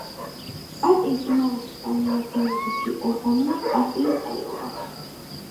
პარტიის უმაღლესი წარმომადგენლობითი ორგანოა პარტიის ყრილობა.